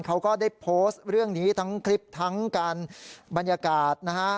เขาก็ได้โพสต์เรื่องนี้ทั้งคลิปทั้งการบรรยากาศนะฮะ